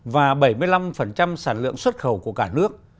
và bảy mươi năm sản lượng xuất khẩu của cả nước